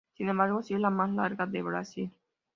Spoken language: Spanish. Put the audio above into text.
Sin embargo, sí es la más larga de Brasil.